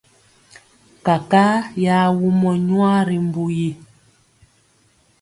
Kakaa ya wumɔ nwaa ri mbu yi.